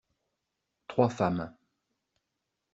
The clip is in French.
Trois femmes.